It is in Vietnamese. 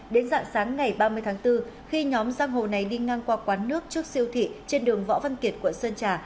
đến dạng sáng ngày ba mươi tháng bốn khi nhóm giang hồ này đi ngang qua quán nước trước siêu thị trên đường võ văn kiệt quận sơn trà